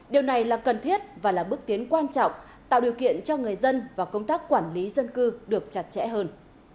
điều này là cần thiết và là bước tiến quan trọng tạo điều kiện cho người dân và công tác quản lý dân cư được chặt chẽ hơn